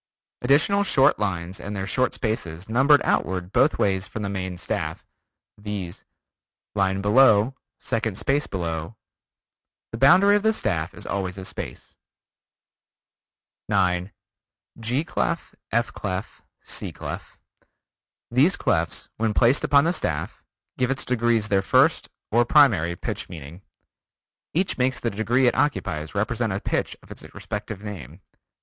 Additional short lines and their short spaces numbered outward both ways from the main staff, viz: line below, second space below. The boundary of the staff is always a space. [Footnote 44: NOTE: Not "space below the staff" or "space above the staff."] 9. G Clef, F Clef, C Clef: These clefs when placed upon the staff, give its degrees their first, or primary pitch meaning. Each makes the degree it occupies represent a pitch of its respective name.